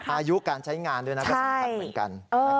อายุการใช้งานด้วยนะก็สำคัญเหมือนกัน